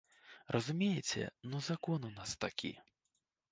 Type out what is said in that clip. Разумееце, ну закон у нас такі.